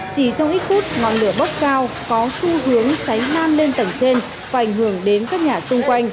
chỉ trong ít phút ngọn lửa bốc cao có xu hướng cháy lan lên tầng trên và ảnh hưởng đến các nhà xung quanh